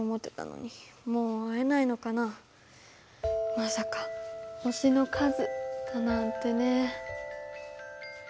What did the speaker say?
まさか星の数だなんてね。